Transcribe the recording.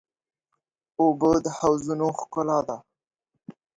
اوبه د حوضونو ښکلا ده.